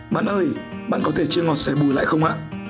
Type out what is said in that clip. bán ơi bạn có thể chia ngọt sẻ bùi lại không ạ